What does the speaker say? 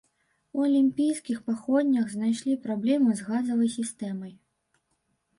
У алімпійскіх паходнях знайшлі праблемы з газавай сістэмай.